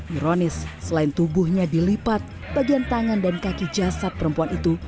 ironis selain tubuhnya dilipat bagian tangan dan kaki jasad perempuan itu